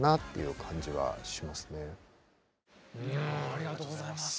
ありがとうございます。